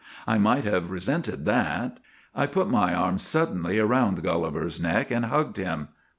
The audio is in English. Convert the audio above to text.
I might have resented that. I put my arms suddenly around Gulliver's neck and hugged him.